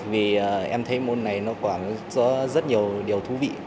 vì em thấy môn này nó có rất nhiều điều thú vị